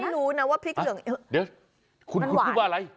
รู้นะว่าพริกเหลืองเดี๋ยวคุณพูดว่าอะไร